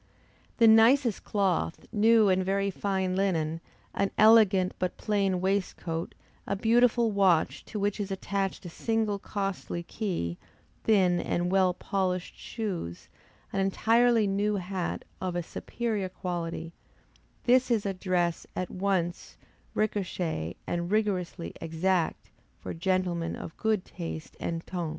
The nicest cloth, new and very fine linen, an elegant but plain waistcoat; a beautiful watch, to which is attached a single costly key, thin and well polished shoes, an entirely new hat, of a superior quality this is a dress at once recherché and rigorously exact, for gentlemen of good taste and ton.